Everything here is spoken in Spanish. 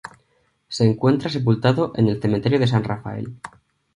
Se encuentra sepultado en el cementerio de San Rafael.